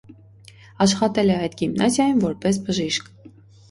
Աշխատել է այդ գիմնազիայում որպես բժիշկ։